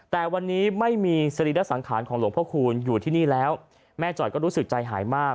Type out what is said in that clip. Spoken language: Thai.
แต่วันนี้ไม่มีสรีระสังขารของหลวงพระคูณอยู่ที่นี่แล้วแม่จอยก็รู้สึกใจหายมาก